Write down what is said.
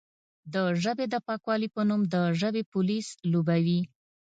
د ژبې د پاکوالې په نوم د ژبې پولیس لوبوي،